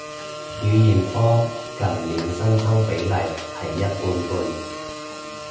語言科近年新生比例係一半半